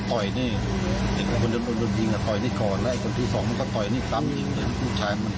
แต่โชคดีที่ขณะเกิดเหตุเป็นเวลาเย็น